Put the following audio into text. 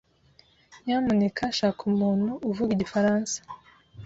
Nyamuneka shaka umuntu uvuga igifaransa.